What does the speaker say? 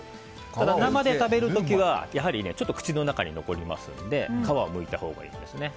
生で食べる時は、ちょっと口の中に残りますので皮をむいたほうがいいですね。